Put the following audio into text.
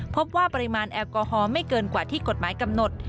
พบว่าปริมาณแอลกอฮอล์ไม่เกินกว่าที่กฎหมายกำหนด